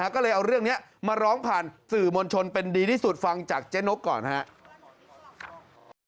ก็เลยเอาเรื่องนี้มาร้องผ่านสื่อมวลชนเป็นดีที่สุดฟังจากเจ๊นกก่อนครับ